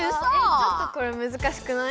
ちょっとこれむずかしくない？